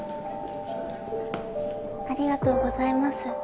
ありがとうございます。